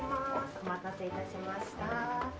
お待たせ致しました。